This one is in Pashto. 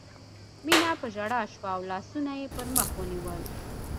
مينه په ژړا شوه او لاسونه یې پر مخ ونیول